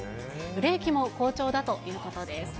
売れ行きも好調だということです。